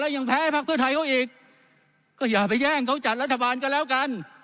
ยังแพ้ให้พักเพื่อไทยเขาอีกก็อย่าไปแย่งเขาจัดรัฐบาลก็แล้วกัน